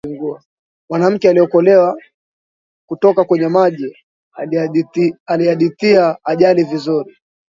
mwanamke aliyeokolewa kutoka kwenye maji aliadhithia ajali vizuri